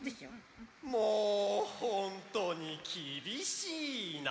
もうほんとにきびしいな！